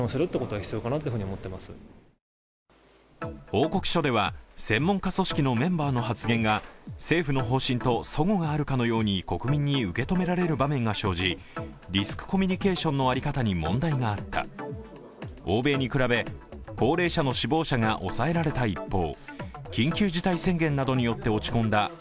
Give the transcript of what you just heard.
報告書では、専門家組織のメンバーの発言が政府の方針とそごがあるかのように国民に受け止められる場面が生じリスクコミュニケーションの在り方に問題があった、欧米に比べ、高齢者の死亡者が抑えられた一方緊急事態宣言などによって落ち込んだ